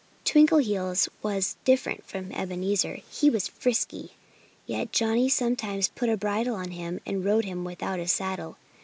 Twinkleheels was different from Ebenezer. He was frisky. Yet Johnnie sometimes put a bridle on him and rode him without a saddle.